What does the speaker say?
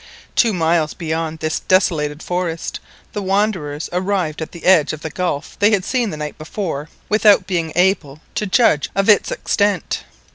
Two miles beyond this desolated forest the wanderers arrived at the edge of the gulf they had seen the night before without being able to judge of its extent.